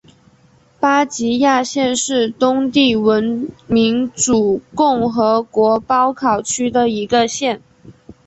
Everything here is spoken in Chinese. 巴吉亚县是东帝汶民主共和国包考区的一个县。